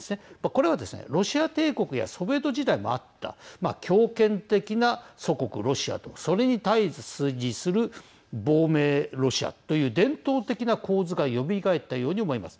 これはですねロシア帝国やソビエト時代もあった強権的な祖国ロシアとそれに対じする亡命ロシアという伝統的な構図がよみがえったように思います。